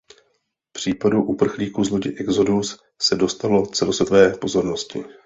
Případu uprchlíků z lodi "Exodus" se dostalo celosvětové pozornosti.